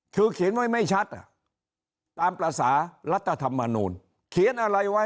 คือเขียนไว้ไม่ชัดตามภาษารัฐธรรมนูลเขียนอะไรไว้